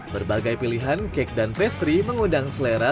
berbagai pilihan cake dan pastry mengundang selera